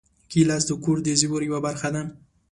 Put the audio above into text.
ګیلاس د کور د زېور یوه برخه ده.